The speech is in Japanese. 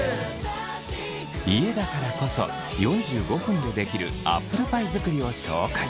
家だからこそ４５分で出来るアップルパイ作りを紹介。